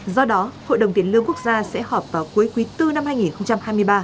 do đó hội đồng tiền lương quốc gia sẽ họp vào cuối quý bốn năm hai nghìn hai mươi ba